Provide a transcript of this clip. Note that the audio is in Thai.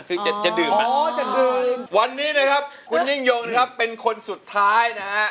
คือจะจะดื่มไหมอ๋อจะดื่มวันนี้นะครับคุณยิ่งยงนะครับเป็นคนสุดท้ายนะฮะ